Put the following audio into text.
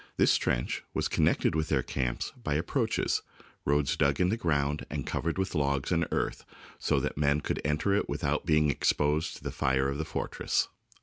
This trench was connected with their camps by " approaches," roads dug in the ground and covered with logs and earth, so that men could enter it without being ex posed to the fire of the fortress.